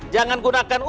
jangan gunakan untuk negara